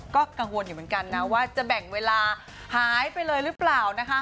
ก็กังวลอยู่เหมือนกันนะว่าจะแบ่งเวลาหายไปเลยหรือเปล่านะคะ